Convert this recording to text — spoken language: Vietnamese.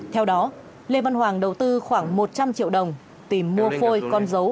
theo đó lê văn hoàng đầu tư khoảng một trăm linh triệu đồng tìm mua phôi con dấu